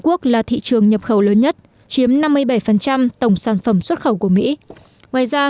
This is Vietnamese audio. quốc là thị trường nhập khẩu lớn nhất chiếm năm mươi bảy tổng sản phẩm xuất khẩu của mỹ ngoài ra